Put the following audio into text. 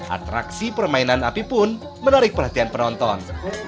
atraksi permainan api pun menarik perhatian penonton